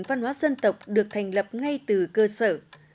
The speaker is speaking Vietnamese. văn hóa dân tộc được thành lập ngay từ cơ sở